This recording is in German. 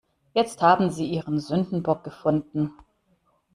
Jetzt haben sie ihren Sündenbock gefunden.